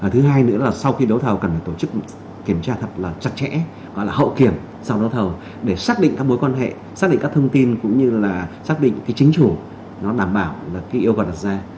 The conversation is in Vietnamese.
thứ hai nữa là sau khi đấu thầu cần phải tổ chức kiểm tra thật là chặt chẽ gọi là hậu kiểm sau đấu thầu để xác định các mối quan hệ xác định các thông tin cũng như là xác định cái chính chủ nó đảm bảo là cái yêu cầu đặt ra